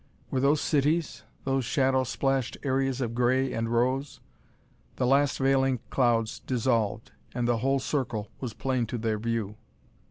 Were those cities, those shadow splashed areas of gray and rose?... The last veiling clouds dissolved, and the whole circle was plain to their view.